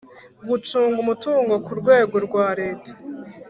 gucunga umutungo ku rwego rwa leta